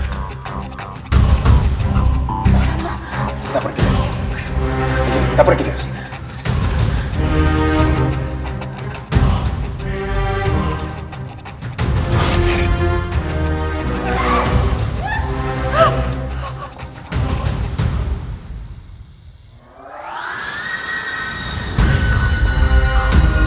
lebih baik kita yang pergi dari rumah ini